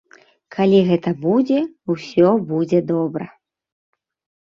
Калі гэта будзе, усё будзе добра.